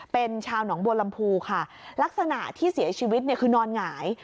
เป็นชาวหนองบัวลำพูค่ะลักษณะที่เสียชีวิตเนี่ยคือนอนหงาย